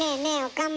岡村。